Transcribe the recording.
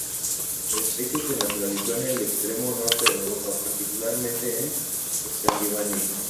La especie se naturalizó en el extremo norte de Europa, particularmente en Escandinavia.